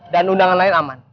dan undangan lain aman